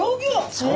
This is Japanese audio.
そう。